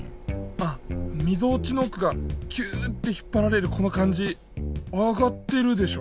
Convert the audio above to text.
あみぞおちのおくがキューッて引っぱられるこのかんじあがってるでしょ！